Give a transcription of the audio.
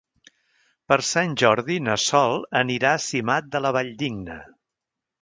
Per Sant Jordi na Sol anirà a Simat de la Valldigna.